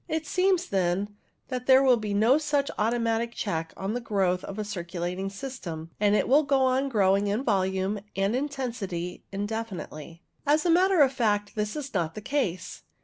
It seems, then, that there will be no such automatic check on the growth of the circulating system, and it will go on growing in volume and intensity in definitely. As a matter of fact, this is not the case.